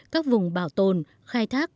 các vùng bảo tồn khai thác